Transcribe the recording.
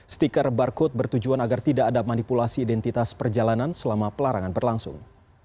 stiker barcode bertujuan agar tidak ada manipulasi identitas perjalanan selama pelarangan berlangsung